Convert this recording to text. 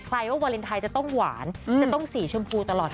ว่าวาเลนไทยจะต้องหวานจะต้องสีชมพูตลอด